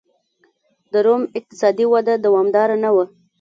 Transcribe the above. د روم اقتصادي وده دوامداره نه وه